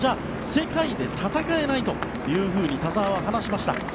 世界で戦えないと田澤は話しました。